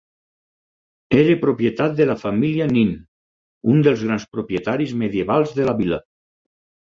Era propietat de la família Nin, un dels grans propietaris medievals de la vila.